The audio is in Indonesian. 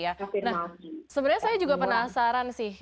nah sebenarnya saya juga penasaran sih